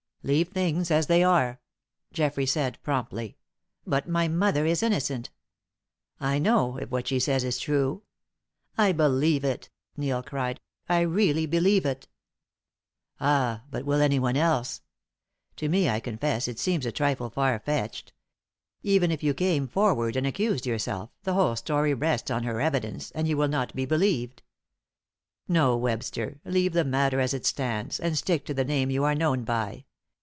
"Leave things as they are," Geoffrey said, promptly. "But my mother is innocent." "I know if what she says is true." "I believe it!" Neil cried. "I really believe it." "Ah but will anyone else? To me, I confess, it seems a trifle far fetched. Even if you came forward and accused yourself, the whole story rests on her evidence, and you will not be believed. No, Webster; leave the matter as it stands, and stick to the name you are known by.